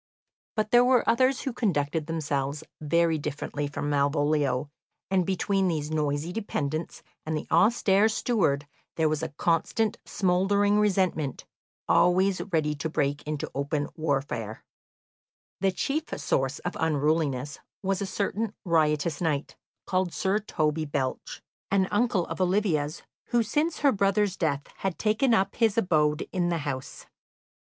But there were others who conducted themselves very differently from Malvolio, and between these noisy dependents and the austere steward there was a constant smouldering resentment, always ready to break into open warfare. The chief source of unruliness was a certain riotous knight, called Sir Toby Belch, an uncle of Olivia's, who since her brother's death had taken up his abode in the house.